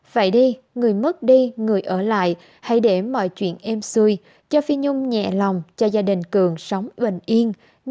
vậy đi người mất đi người ở lại hãy để mọi chuyện êm xuôi cho phi nhung nhẹ lòng cho gia đình cường sống bình yên